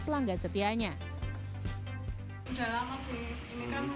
menanggungpas buildings dan realitas